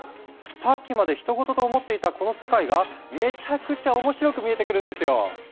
さっきまでひと事と思っていたこの世界がめちゃくちゃ面白く見えてくるんですよ！